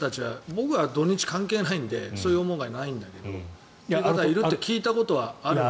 僕は土日関係ないのでそういう思いはないんだけど聞いたことはある。